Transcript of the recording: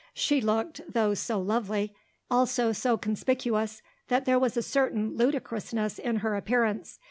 She looked, though so lovely, also so conspicuous that there was a certain ludicrousness in her appearance.